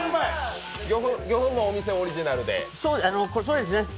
魚粉もお店オリジナルで？